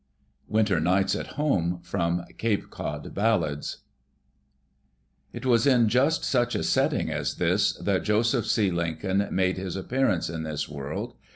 "WixTER Nights at Home" from "Cape Cod Ballads" T was in just such a setting as this that Joseph C. Lincoln made his ap pearance in this world.